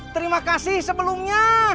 terima kasih sebelumnya